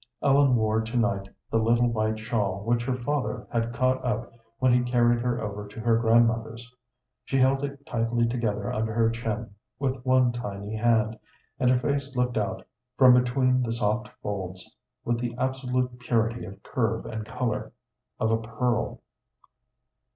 Ellen wore to night the little white shawl which her father had caught up when he carried her over to her grandmother's. She held it tightly together under her chin with one tiny hand, and her face looked out from between the soft folds with the absolute purity of curve and color of a pearl.